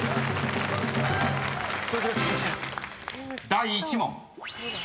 ［第１問］